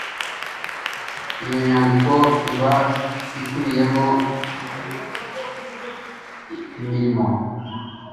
iyo nyandiko iba ikubiyemo imirimo